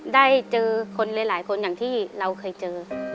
ได้เจอคนหลายคนอย่างที่เราเคยเจอ